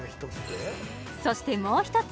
そしてもう一つ